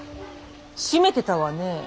絞めてたわねえ。